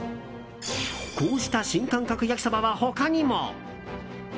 こうした新感覚焼きそばは他にも。